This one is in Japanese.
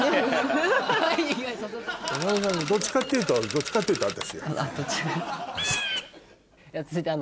どっちかっていうとどっちかっていうと私。